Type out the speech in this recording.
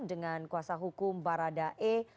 dengan kuasa hukum barada e